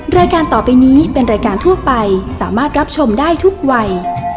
รายการต่อไปนี้เป็นรายการทั่วไปสามารถรับชมได้ทุกวัย